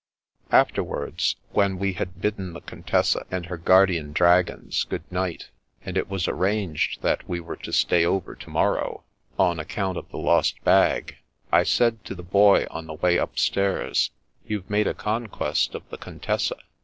Afterwards, when we had bidden the Contessa and her guardian dragons good night, and it was arranged that we were to stay over to morrow, on account of the lost bag, I said to the Boy on the way upstairs, "YouVe made a conquest of the Contessa."